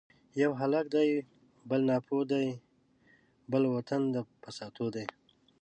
یو هلک دی بل ناپوه دی ـ بل وطن د فساتو دی